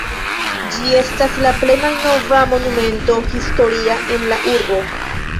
Ĝi estas la plej malnova Monumento historia en la urbo.